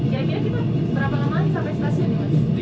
kira kira berapa lama sampai stasiun